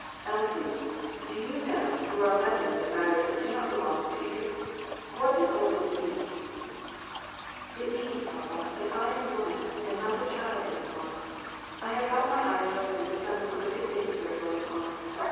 " Elsie, do you know you are meddling with matters that do not belong to you ? What does all this mean ?"" It means, papa, that I am a woman, and not a child any more. I have got my eyes opened to some of the wicked things that are going on.